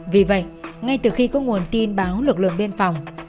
vì vậy ngay từ khi có nguồn tin báo lực lượng biên phòng